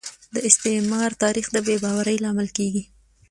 د استعمار تاریخ د بې باورۍ لامل کیږي